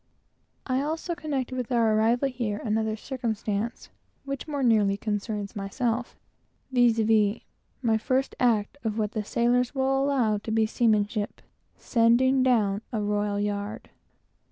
I also connected with our arrival here another circumstance which more nearly concerns myself; viz, my first act of what the sailors will allow to be seamanship sending down a royal yard.